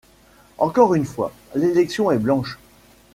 Encore une fois, l'élection est blanche.